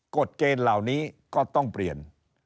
กฎเกณฑ์เหล่านี้ก็ต้องเปลี่ยน